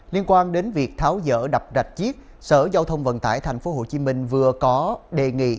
liên quan đến việc tháo dỡ đập rạch chiếc sở giao thông vận tải tp hcm vừa có đề nghị